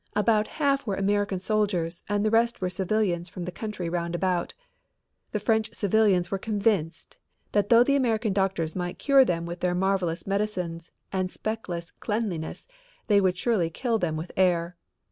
About half were American soldiers and the rest were civilians from the country round about. The French civilians were convinced that though the American doctors might cure them with their marvelous medicines and speckless cleanliness they would surely kill them with air.